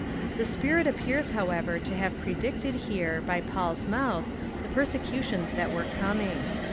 The Spirit appears, however, to have predicted here, by Paul's mouth, the persecutions that were coming.